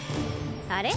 あれ？